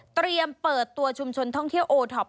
เตรียมเปิดตัวชุมชนท่องเที่ยวโอท็อป